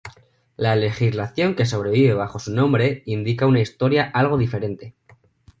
La legislación que sobrevive bajo su nombre indica una historia algo diferente.